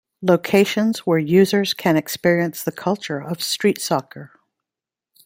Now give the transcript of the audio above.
Locations where users can experience the culture of street soccer.